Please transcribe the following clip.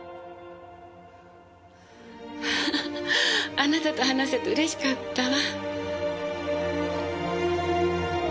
あなたと話せて嬉しかったわ。